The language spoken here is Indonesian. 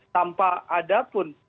tanpa ada pun